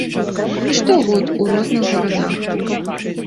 І штогод у розных гарадах.